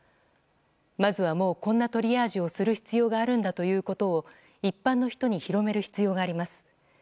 まずは、もうこんなトリアージをする必要があるんだということを一般の人に広める必要があります。